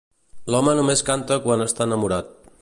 L'home només canta quan està enamorat.